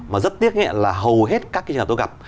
mà rất tiếc nghĩa là hầu hết các nhà tôi gặp